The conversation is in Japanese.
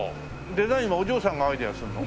デザインはお嬢さんがアイデアするの？